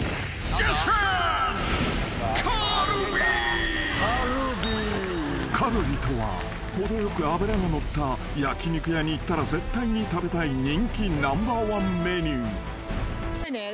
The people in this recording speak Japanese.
［カルビとは程よく脂が乗った焼き肉屋に行ったら絶対に食べたい人気ナンバーワンメニュー］